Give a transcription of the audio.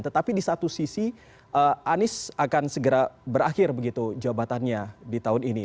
tetapi di satu sisi anies akan segera berakhir begitu jabatannya di tahun ini